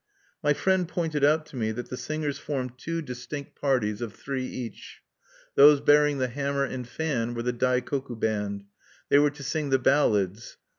"My friend pointed out to me that the singers formed two distinct parties, of three each. Those bearing the hammer and fan were the Daikoku band: they were to sing the ballads.